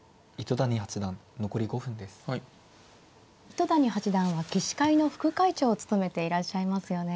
糸谷八段は棋士会の副会長を務めていらっしゃいますよね。